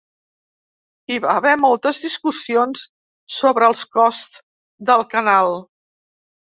Hi va haver moltes discussions sobre els costs del canal.